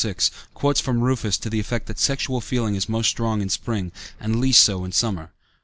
6) quotes from Rufus to the effect that sexual feeling is most strong in spring, and least so in summer.